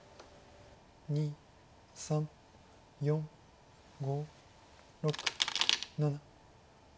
２３４５６７８。